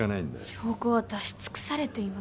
証拠は出し尽くされています